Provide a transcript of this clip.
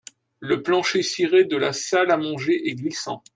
Le plancher ciré de la salle à manger est glissant.